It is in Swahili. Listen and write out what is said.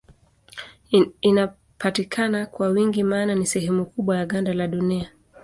Inapatikana kwa wingi maana ni sehemu kubwa ya ganda la Dunia.